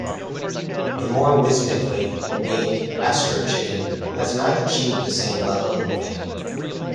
The more whimsically named "Astrochicken" has not achieved this same level of fame.